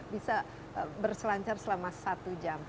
bisa berselancar selama satu jam